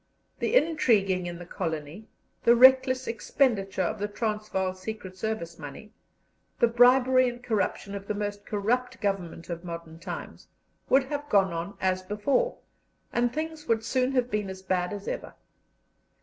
The intriguing in the colony, the reckless expenditure of the Transvaal Secret Service money, the bribery and corruption of the most corrupt Government of modern times, would have gone on as before, and things would soon have been as bad as ever.